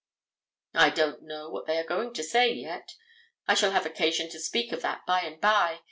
I don't know what they are going to say yet. I shall have occasion to speak of that by and by.